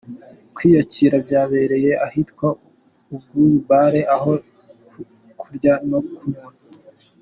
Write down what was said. Kwiyakira byabereye ahitwa Ubwuzu Bar aho kurya no kunywa